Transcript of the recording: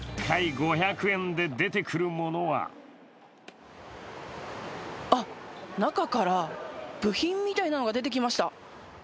１回５００円で出てくるものはあっ、中から部品みたいなものが出てきました。